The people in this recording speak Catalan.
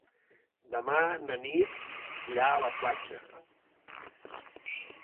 Demà na Nit irà a la platja.